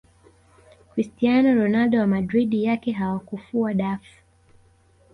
cristiano ronaldo wa madrid yake hawakufua dafu